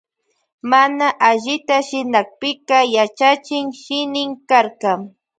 Mana allita shinanpika yachachin shinin karka.